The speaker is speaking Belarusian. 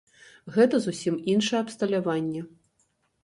Гэта зусім іншае абсталяванне.